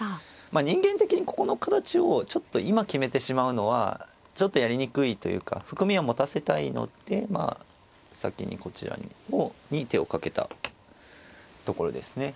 まあ人間的にここの形をちょっと今決めてしまうのはちょっとやりにくいというか含みを持たせたいのでまあ先にこちらに手をかけたところですね。